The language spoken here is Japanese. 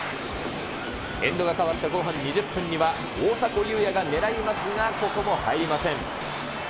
エンドが変わった後半２０分には、大迫ゆうやが狙いますが、ここも入りません。